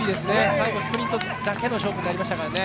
最後スプリントだけの勝負になりましたからね。